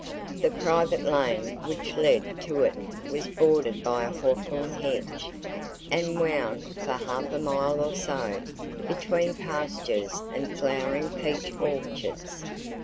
The private lane which led to it was bordered by a hawthorn hedge, and wound for half a mile or so between pastures and flowering peach orchards.